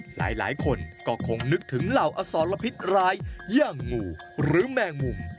หลายคนก็คงนึกถึงเหล่าอสรพิษร้ายอย่างงูหรือแมงมุม